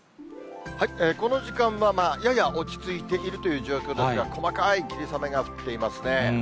この時間はやや落ち着いているという状況ですが、細かい霧雨が降っていますね。